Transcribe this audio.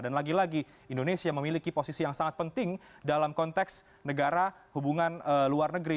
lagi lagi indonesia memiliki posisi yang sangat penting dalam konteks negara hubungan luar negeri